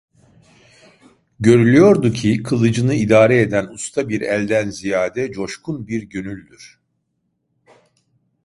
Görülüyordu ki, kılıcını idare eden usta bir elden ziyade coşkun bir gönüldür.